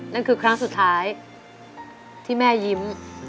นั่นคือครั้งสุดท้ายที่แม่ยิ้ม